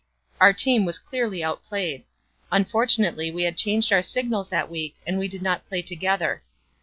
Our team was clearly outplayed. Unfortunately we had changed our signals that week and we did not play together.